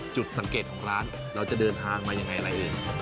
จุดสังเกตของร้านเราจะเดินทางมายังไงอะไรเอ่ย